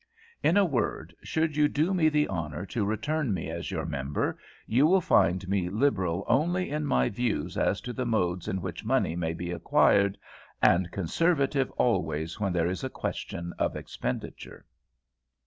"In a word, should you do me the honour to return me as your member, you will find me Liberal only in my views as to the modes in which money may be acquired, and Conservative always when there is a question of expenditure."